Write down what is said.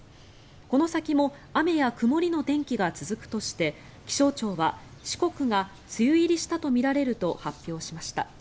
この先も雨や曇りの天気が続くとして気象庁は四国が梅雨入りしたとみられると発表しました。